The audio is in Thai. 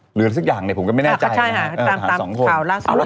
หรืออะไรสักอย่างผมก็ไม่แน่ใจใช่ตามข่าวล่าสุด